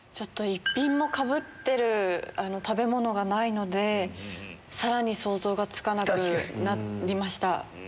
一品もかぶってる食べ物がないのでさらに想像がつかなくなりました。